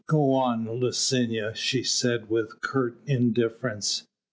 "Go on, Licinia," she said with curt indifference.